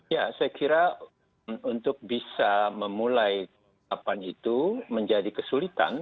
ya saya kira untuk bisa memulai kapan itu menjadi kesulitan